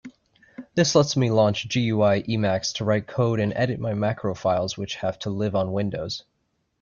This lets me launch GUI Emacs to write code and edit my macro files which have to live on Windows.